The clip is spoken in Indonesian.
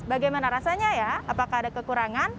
bagaimana rasanya ya apakah ada kekurangan